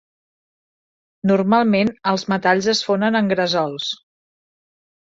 Normalment els metalls es fonen en gresols.